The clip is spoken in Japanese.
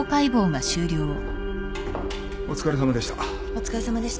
お疲れさまでした。